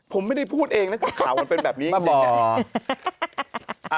ผมไม่ได้พูดเองนะคือข่าวมันเป็นแบบนี้จริง